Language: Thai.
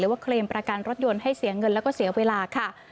ว่าเคลมประกันรถยนต์ให้เสียเงินแล้วก็เสียเวลาค่ะ